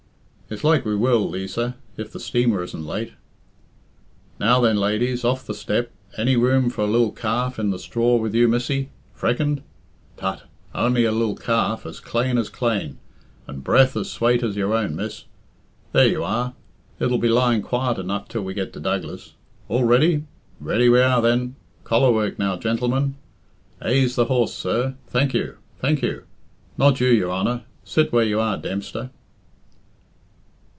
"It's like we will, Liza, if the steamer isn't late." "Now then, ladies, off the step! Any room for a lil calf' in the straw with you, missy? Freckened? Tut! Only a lil calf, as clane as clane and breath as swate as your own, miss. There you are it'll be lying quiet enough till we get to Douglas. All ready? Ready we are then. Collar work now, gentlemen. Aise the horse, sir. Thank you! Thank you! Not you, your Honour sit where you are, Dempster."